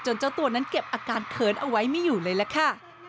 เจ้าตัวนั้นเก็บอาการเขินเอาไว้ไม่อยู่เลยล่ะค่ะ